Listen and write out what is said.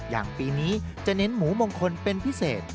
อย่างปีนี้จะเน้นหมูมงคลเป็นพิเศษ